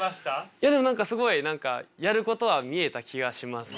いやでも何かすごい何かやることは見えた気がします。